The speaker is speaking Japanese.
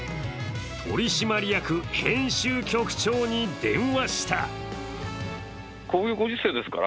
取締役編集局長に電話した。